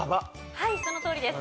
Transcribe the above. はいそのとおりです。